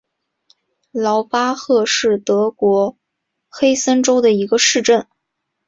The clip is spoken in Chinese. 劳巴赫是德国黑森州的一个市镇。